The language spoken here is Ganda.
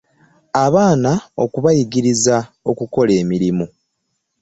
Abaana okubayigiriza okukola emirimu.